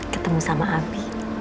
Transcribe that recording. ketemu sama abi